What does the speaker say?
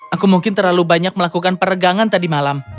aku mungkin terlalu banyak melakukan peregangan tadi malam